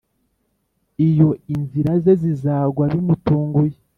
Izo inzira ze zizagwa bimutunguye